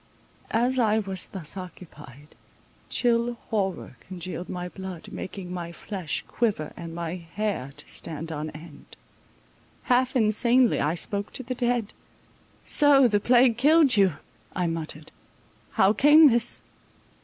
As I was thus occupied, chill horror congealed my blood, making my flesh quiver and my hair to stand on end. Half insanely I spoke to the dead. So the plague killed you, I muttered. How came this?